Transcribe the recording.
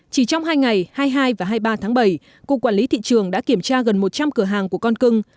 chỉ trong hai ngày hai mươi hai và hai mươi ba tháng bảy cục quản lý thị trường đã kiểm tra gần một trăm linh cửa hàng của con cưng